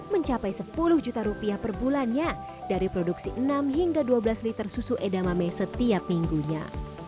mencapai sepuluh juta rupiah per bulannya dari produksi enam hingga dua belas liter susu edamame setiap minggunya